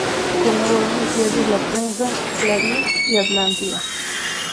Colaboró en los diarios "La Prensa," "Clarín" y "Atlántida".